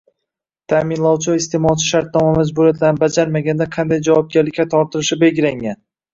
Taʼminlovchi va isteʼmolchi shartnoma majburiyatlarini bajarmaganda qanday javobgarlikga tortilishi belgilangan?